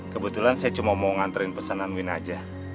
kebetulan saya cuma mau nganterin pesanan bu ina aja